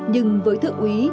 nhưng với thượng úy